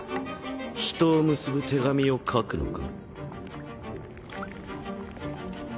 人を結ぶ手紙を書くのか？